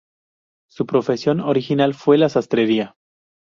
Su profesión original fue la sastrería.